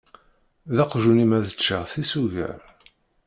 D aqjun-im ad ččeɣ tisugar!?